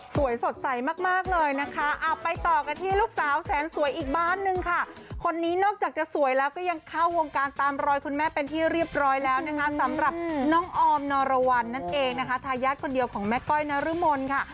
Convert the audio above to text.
สดใสมากเลยนะคะไปต่อกันที่ลูกสาวแสนสวยอีกบ้านนึงค่ะคนนี้นอกจากจะสวยแล้วก็ยังเข้าวงการตามรอยคุณแม่เป็นที่เรียบร้อยแล้วนะคะสำหรับน้องออมนรวรรณนั่นเองนะคะทายาทคนเดียวของแม่ก้อยนรมนค่ะ